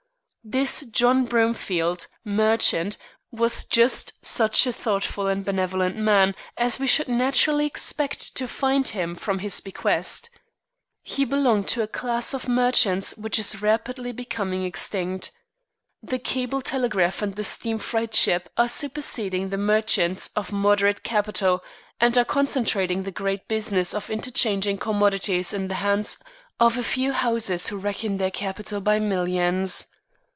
This John Bromfield, merchant, was just such a thoughtful and benevolent man as we should naturally expect to find him from his bequest. He belonged to a class of merchants which is rapidly becoming extinct. The cable telegraph and the steam freight ship are superseding the merchants of moderate capital, and are concentrating the great business of interchanging commodities in the hands of a few houses who reckon their capital by millions.